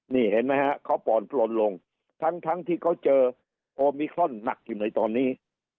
นี่เห็นไหมฮะเขาป่อนปลนลงทั้งที่เขาเจอโอมิครอนหนักอยู่ในตอนนี้